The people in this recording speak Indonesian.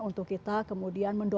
untuk kita kemudian mendorongnya